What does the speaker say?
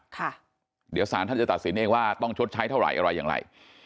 ค่ะเดี๋ยวสารท่านจะตัดสินเองว่าต้องชดใช้เท่าไหร่อะไรอย่างไร